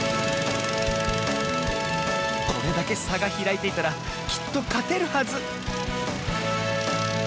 これだけさがひらいていたらきっとかてるはず